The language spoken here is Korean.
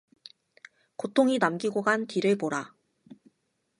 고통이 남기고 간 뒤를 보라!